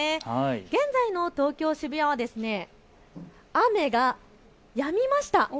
現在の東京渋谷は雨がやみました。